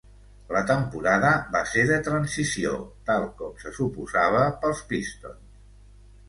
La temporada va ser de transició, tal com se suposava pels Pistons.